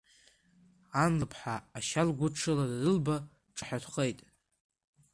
Ан лыԥҳа ашьа лгәыдшыла данылба дҿаҳәатәхеит.